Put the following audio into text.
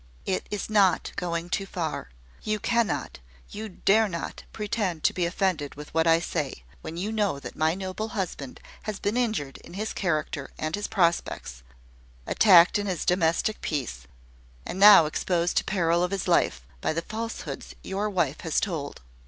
"It is not going too far. You cannot, you dare not, pretend to be offended with what I say, when you know that my noble husband has been injured in his character and his prospects, attacked in his domestic peace, and now exposed to peril of his life, by the falsehoods your wife has told.